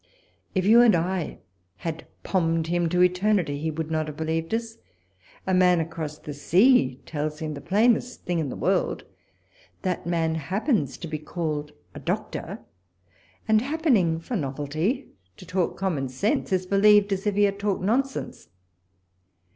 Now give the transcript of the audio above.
If you and I had ijoinmed him to eternity, he would not have believed us. A man across the sea tells him the plainest thing in the world ; that man happens to be called a doctor ; and happening for novelty to talk common sense, is believed, as if he had talked nonsense